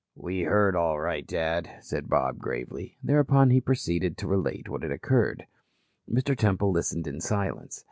"We heard all right, Dad," said Bob gravely. Thereupon he proceeded to relate what had occurred. Mr. Temple listened in silence.